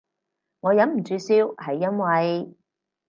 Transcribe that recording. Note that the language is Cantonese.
我忍唔住笑係因為